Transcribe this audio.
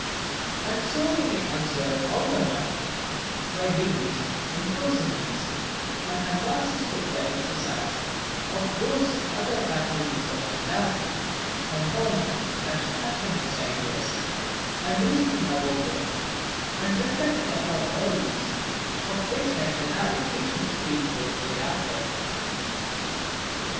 And so we may observe how the mind, BY DEGREES, improves in these; and ADVANCES to the exercise of those other faculties of enlarging, compounding, and abstracting its ideas, and of reasoning about them, and reflecting upon all these; of which I shall have occasion to speak more hereafter.